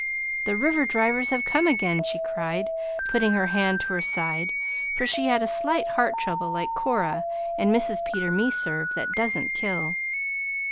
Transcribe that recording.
"The river drivers have come again!" she cried, putting her hand to her side for she had a slight heart trouble like Cora and Mrs. Peter Meserve, that doesn't kill.